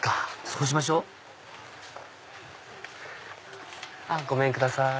そうしましょごめんください。